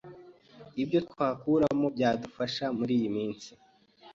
IBYO TWAKURAMO BYADUFASHA MURI IYI MINSI: